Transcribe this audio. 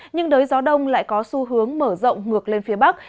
nhưng đới gió đông lại có xu hướng mở rộng ngược lên phía bắc